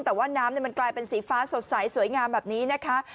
แต่ว่าน้ำมันกลายเป็นสีฟ้าสดใสสวยงามแบบนี้นะคะ